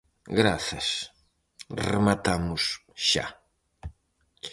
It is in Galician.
Grazas, rematamos xa.